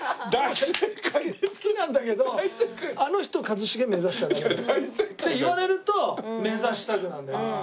好きなんだけどあの人を一茂目指しちゃダメ。って言われると目指したくなるんだよ。